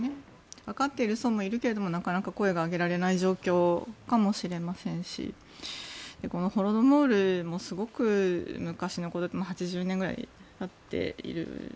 わかっている層もいるけどなかなか声が上げられない状況だと思いますしこのホロドモールもすごく昔のことで８０年ぐらいたっている。